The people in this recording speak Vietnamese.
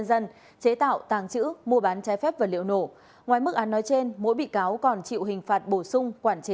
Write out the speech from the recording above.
xin chào các bạn